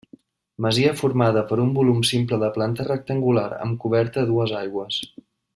Masia formada per un volum simple de planta rectangular amb coberta a dues aigües.